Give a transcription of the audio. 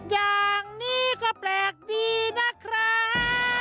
อย่างนี้ก็แปลกดีนะครับ